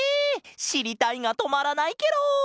しりたいがとまらないケロ！